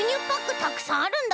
たくさんあるんだけどな。